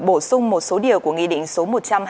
bổ sung một số điều của nghị định số